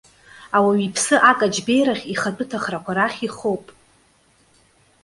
Ауаҩы иԥсы акаҷбеирахь, ихатәы ҭахрақәа рахь ихоуп.